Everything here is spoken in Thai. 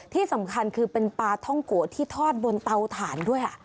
ที่สำคัญคือเป็นปลาท่องโกะที่ทอดบนเตาถ่านด้วย